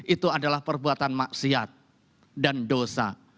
itu adalah perbuatan maksiat dan dosa